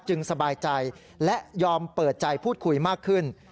สบายใจและยอมเปิดใจพูดคุยมากขึ้น